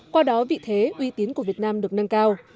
qua đó vị thế uy tín của việt nam được nâng cao